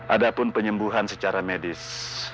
ada pun penyembuhan secara medis